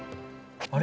あれ？